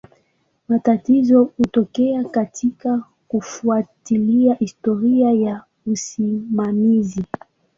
Matatizo hutokea katika kufuatilia historia ya usimamizi.